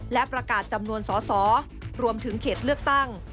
และประกาศจำนวนสอสอรวมถึงเขตเลือกตั้ง